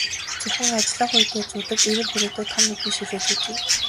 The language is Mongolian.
Зөвхөн ажиллах үедээ зүүдэг эвэр хүрээтэй том нүдний шилээ зүүжээ.